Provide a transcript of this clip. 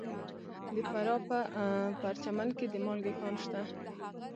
د فراه په پرچمن کې د مالګې کان شته.